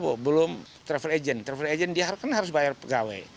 belum travel agent travel agent dia harus bayar pegawai